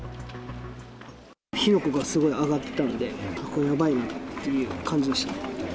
火の粉がすごい上がってたんで、これはやばいなっていう感じ